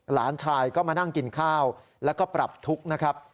หลานชายก็มานั่งกินข้าวแล้วก็ปรับทุกข์นะครับ